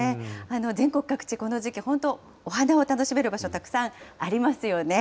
全国各地、この時期、本当、お花を楽しめる場所、たくさんありますよね。